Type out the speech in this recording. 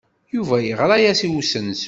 Yuba yeɣra-as i usensu.